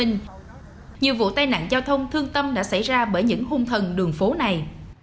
nhiều vụ tai nạn giao thông thương tâm đã xảy ra bởi những hung thần đường phố này